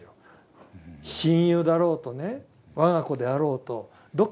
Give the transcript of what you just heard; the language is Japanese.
親友だろうとね我が子であろうとどっか疑ってかかってね。